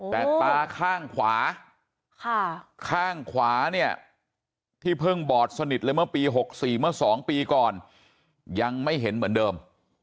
แต่ตาข้างขวาข้างขวาเนี่ยที่เพิ่งบอดสนิทเลยเมื่อปี๖๔เมื่อ๒ปีก่อนยังไม่เห็นเหมือนเดิม